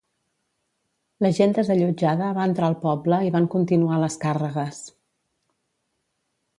La gent desallotjada va entrar al poble i van continuar les càrregues.